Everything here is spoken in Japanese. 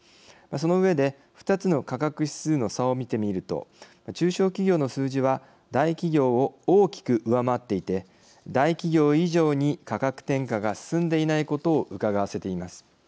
その上で、２つの価格指数の差を見てみると中小企業の数字は大企業を大きく上回っていて大企業以上に価格転嫁が進んでいないことをうかがわせています。